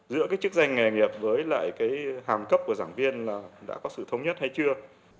giữa cái chức danh nghề nghiệp với lại cái hàm cấp của giảng viên là đã có sự thống nhất hay chưa